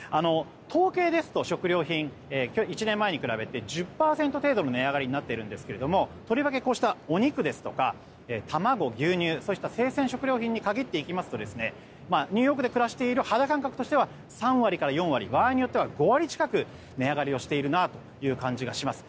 統計ですと食料品は１年前に比べて１０％程度の値上がりになっているんですけれどもとりわけ、こうしたお肉や卵、牛乳といった生鮮食料品に限っていきますとニューヨークに暮らしている肌感覚としては３割から４割場合によっては５割近く値上がりしているなという感じがします。